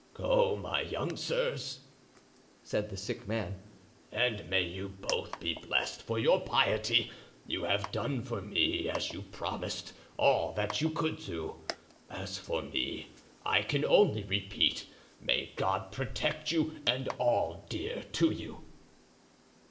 "Go, my young sirs," said the sick man, "and may you both be blessed for your piety. You have done for me, as you promised, all that you could do. As for me I can only repeat, may God protect you and all dear to you!"